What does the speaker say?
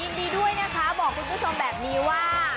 ยินดีด้วยนะคะบอกคุณผู้ชมแบบนี้ว่า